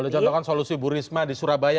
ada contohkan solusi bu risma di surabaya